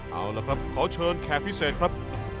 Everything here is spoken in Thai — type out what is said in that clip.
เอาละครับขอเชิญแขกพิเศษครับ